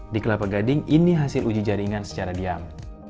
di kelapa gading ini hasil uji jaringan secara diam